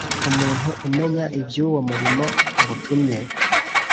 Umuntu umenya iby’ uwo murimo ngutumye